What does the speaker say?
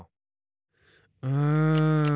うん。